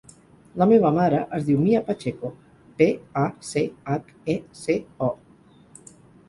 La meva mare es diu Mia Pacheco: pe, a, ce, hac, e, ce, o.